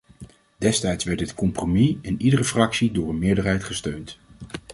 Destijds werd dit compromis in iedere fractie door een meerderheid gesteund.